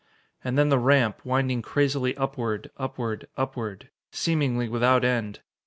And then the ramp, winding crazily upward upward upward, seemingly without end.